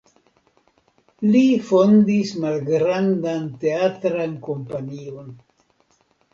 Li fondis malgrandan teatran kompanion.